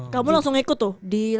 kamu langsung ikut tuh